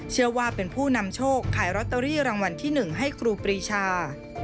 เชื่อว่าเป็นผู้นำโชคขายลอตเตอรี่รางวัลที่๑ให้ครูปรีชา